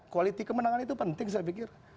kualitas kemenangan itu penting saya pikir